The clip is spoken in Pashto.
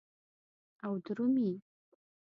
او درومې